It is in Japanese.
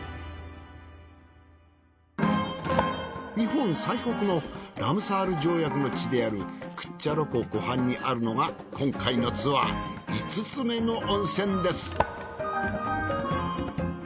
日本最北のラムサール条約の地であるクッチャロ湖湖畔にあるのが今回のツアー５つ目の温泉です。